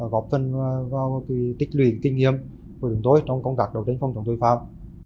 góp phân vào tích luyện kinh nghiệm của chúng tôi trong công tác đầu tính phong trọng tội phạm